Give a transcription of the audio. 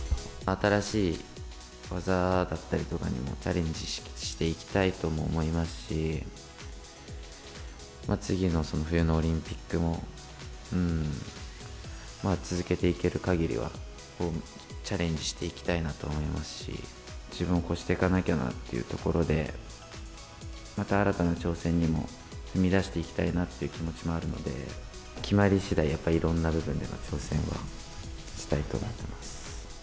新しい技だったりとかにもチャレンジしていきたいとも思いますし、次の冬のオリンピックも、続けていけるかぎりはチャレンジしていきたいなとは思いますし、自分を超していかなきゃなということで、また新たな挑戦にも踏み出していきたいなっていう気持ちもあるので、決まりしだい、やっぱりいろんな部分での挑戦はしたいと思ってます。